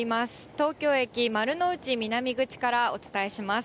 東京駅丸の内南口からお伝えします。